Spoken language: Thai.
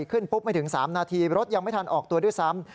ขึ้นปุ๊บไม่ถึง๓นาทีรถยังไม่ทันออกตัวด้วยซ้ำ